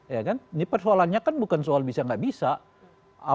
ini persoalannya kan bukan soal bisa enggak bisa